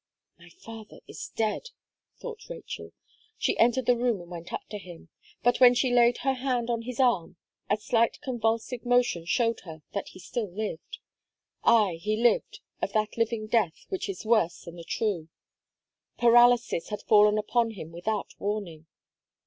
"My father is dead," thought Rachel. She entered the room and went up to him. But when she laid her hand on his arm, a slight convulsive motion showed her that he still lived. Ay, he lived, of that living death, which is worse than the true. Paralysis had fallen upon him without warning.